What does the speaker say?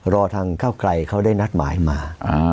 รอทางเก้าไกลเขาได้นัดหมายมา